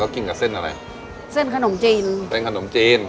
กินกับเส้นอะไรเส้นขนมจีนเป็นขนมจีน